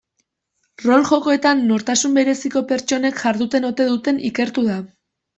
Rol-jokoetan nortasun bereziko pertsonek jarduten ote duten ikertu da.